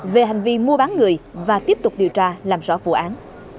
về hành vi mua bán người và tiếp tục điều tra làm rõ vụ án